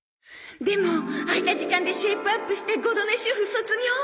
でも空いた時間でシェイプアップしてゴロ寝主婦卒業。